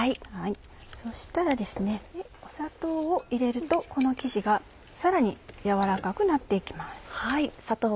そしたら砂糖を入れるとこの生地がさらに柔らかくなって行きます。